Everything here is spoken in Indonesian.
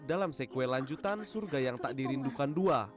dalam sequel lanjutan surga yang tak dirindukan dua